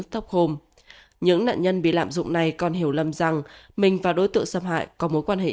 tophom những nạn nhân bị lạm dụng này còn hiểu lầm rằng mình và đối tượng xâm hại có mối quan hệ